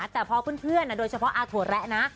แต่พอเพื่อนโดยเฉพาะอาถั่วแระนะ